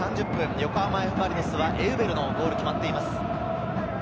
横浜Ｆ・マリノスは、エウベルのゴールが決まっています。